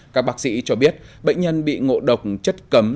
các bác sĩ cho biết bệnh nhân bị ngộ độc chất cấm